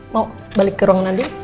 mau balik ke ruang andien